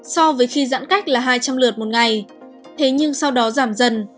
so với khi giãn cách là hai trăm linh lượt một ngày thế nhưng sau đó giảm dần